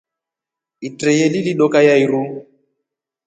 Itreye lili dooka ya iru.